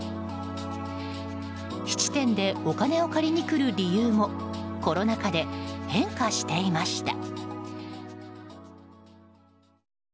質店でお金を借りに来る理由もコロナ禍で変化していました。